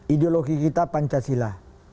ideologi kita pancasila